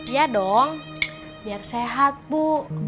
ya dong biar sehat bu